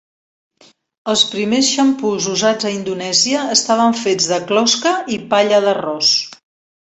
Els primers xampús usats a Indonèsia estaven fets de closca i palla d'arròs.